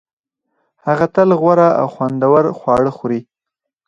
هغه تل غوره او خوندور خواړه خوري